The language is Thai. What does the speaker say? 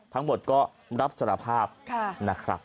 ทั้งหมดก็รับสารภาพนะครับ